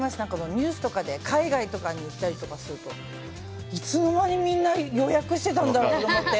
ニュースとかで海外とかに行ったりするといつの間にみんな予約してたんだろうと思って。